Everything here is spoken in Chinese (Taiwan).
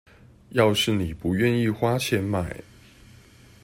要是妳不願意花錢買